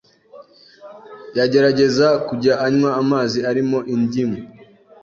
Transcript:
yagerageza kujya anywa amazi arimo indium